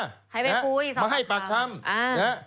ให้ไปพุยสำหรับค้าอเจมส์มาให้ปากคำ